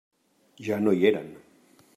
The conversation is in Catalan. Ja no hi eren.